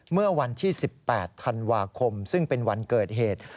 เมื่อวันที่๑๘ธันวาคมซึ่งเป็นวันเกิดเหตุ